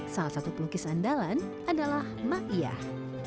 salah satu pelukis andalan adalah ma'iyah